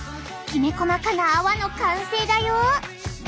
きめ細かな泡の完成だよ！